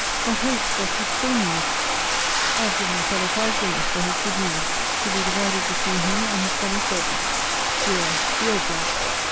What hopes does this fill me with! I have given the fellow five guineas for his good news, to be divided between him and his fellow servant. Dear, dear Jack!